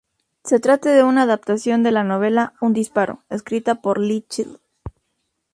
Se trata de una adaptación de la novela "Un disparo", escrita por Lee Child.